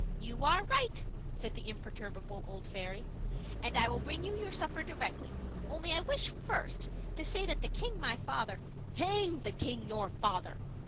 "You are right," said the imperturbable old fairy; "and I will bring you your supper directly, only I wish first just to say that the king my father " "Hang the king your father!"